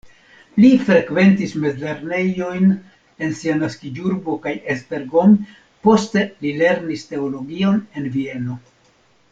Li frekventis mezlernejojn en sia naskiĝurbo kaj Esztergom, poste li lernis teologion en Vieno.